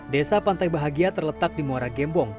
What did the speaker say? desa pantai bahagia terletak di muara gembong